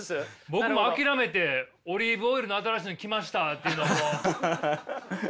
僕もう諦めてオリーブオイルの新しいの来ましたっていうのもう放ってますよ。